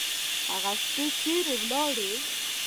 هغه شپې چیري ولاړې؟